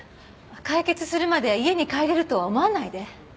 解決するまで家に帰れるとは思わないで。